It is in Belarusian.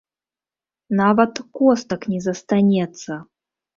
Нават костак не застанецца!